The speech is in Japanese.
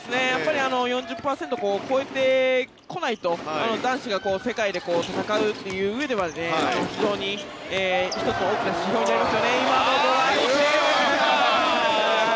４０％超えてこないと男子が世界で戦うといううえでは非常に１つの大きな指標になりますよね。